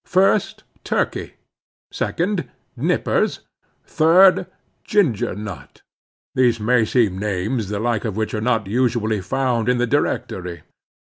First, Turkey; second, Nippers; third, Ginger Nut. These may seem names, the like of which are not usually found in the Directory.